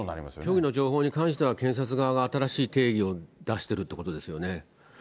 きょうの情報に関しては、検察側が新しい定義を出してるということですよね。